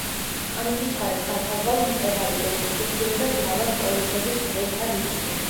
ამ სიჩქარეს განსაზღვრავს მკვებავი დენის სიხშირე და ძრავას პოლუსების წყვილთა რიცხვი.